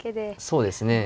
そうですね。